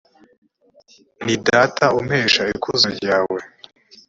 ni data umpesha ikuzo ryawe